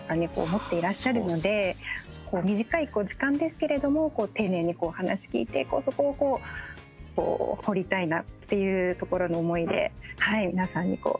持っていらっしゃるので短い時間ですけれども丁寧に話聞いて、そこを掘りたいなっていうところの思いで皆さんに出会ってます。